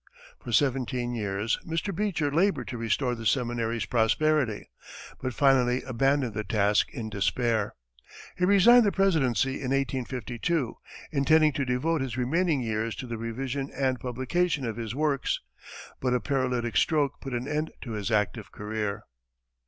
For seventeen years, Mr. Beecher labored to restore the seminary's prosperity, but finally abandoned the task in despair. He resigned the presidency in 1852, intending to devote his remaining years to the revision and publication of his works, but a paralytic stroke put an end to his active career.